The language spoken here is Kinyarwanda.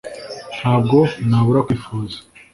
ntabwo nabura kwifuza